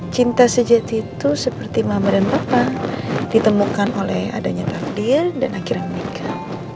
cinta sejati itu seperti mama dan papa ditemukan oleh adanya takdir dan akhirnya menikah